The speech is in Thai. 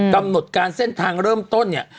กำหนดการเส้นทางเริ่มต้นเนี่ย